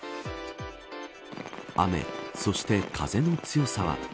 雨、そして風の強さは。